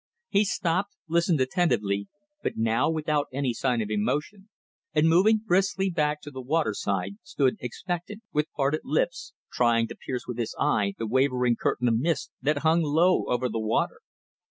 He stopped, listened attentively, but now without any sign of emotion, and moving briskly back to the waterside stood expectant with parted lips, trying to pierce with his eye the wavering curtain of mist that hung low over the water.